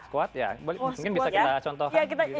kuat ya mungkin bisa kita contohkan